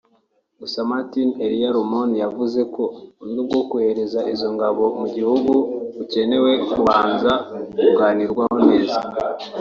Gusa Martin Elia Lomoro yavuze ko uburyo bwo kohereza izo ngabo mu gihugu bukeneye kubanza kuganirwaho neza